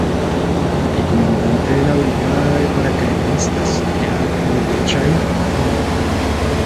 El comandante de la Brigada de Paracaidistas era Mordechai Gur.